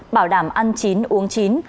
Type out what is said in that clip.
bảo đảm ăn chín uống chín